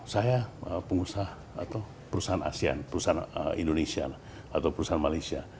saya pengusaha atau perusahaan asean perusahaan indonesia atau perusahaan malaysia